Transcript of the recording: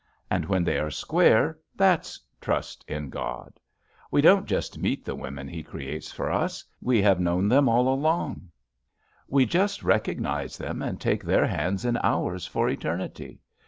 And when they are square, that's trust in God. We don't just meet the women He creates for us; we have known them all along. We just recognize them and take their hands in ours for eternity.